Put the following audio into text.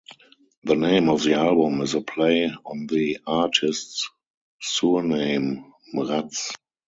The name of the album is a play on the artist's surname, "Mraz".